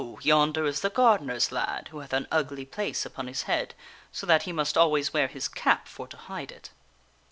yonder is the gardener's lad who hath an ugly place upon his head so that he must always wear his cap for to hide it."